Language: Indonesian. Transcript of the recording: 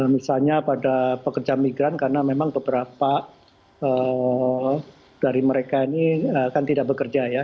misalnya pada pekerja migran karena memang beberapa dari mereka ini kan tidak bekerja ya